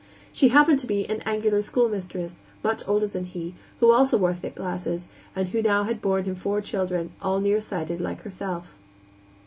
She happened to be an angular schoolmistress, much older than he, who also wore thick glasses, and who had now borne him four children, all nearsighted, like herself.